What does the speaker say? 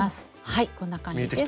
はいこんな感じです。